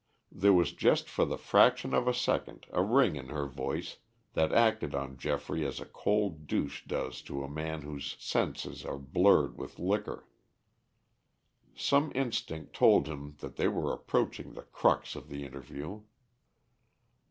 There was just for the fraction of a second a ring in her voice that acted on Geoffrey as a cold douche does to a man whose senses are blurred with liquor. Some instinct told him that they were approaching the crux of the interview.